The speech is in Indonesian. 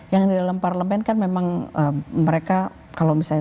yang di dalam parlemen kan memang mereka kalau misalnya